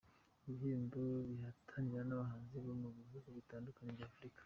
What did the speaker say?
Ibihembo bihataniwe n’abahanzi bo mu bihugu bitandukanye bya Afurika.